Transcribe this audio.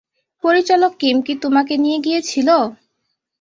পরিচালক কিম কি তোমাকে নিয়ে গিয়েছিল?